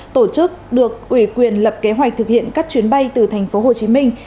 tổ chức được ủy quyền lập kế hoạch thực hiện các chuyến bay từ thành phố hồ chí minh